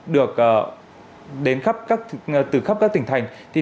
được đến khắp các tỉnh thành